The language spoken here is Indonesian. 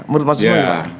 menurut mas simo ya